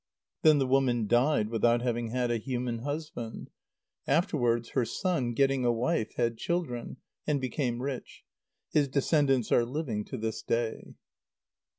Then the woman died, without having had a human husband. Afterwards her son, getting a wife, had children, and became rich. His descendants are living to this day.